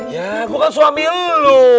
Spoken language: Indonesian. ya gue kan suami lo